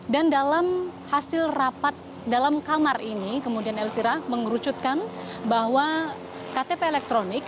dan dalam hasil rapat dalam kamar ini kemudian elvira mengerucutkan bahwa ktp elektronik